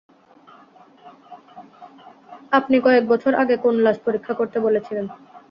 আপনি কয়েক বছর আগে কোন লাশ পরীক্ষা করতে বলেছিলেন?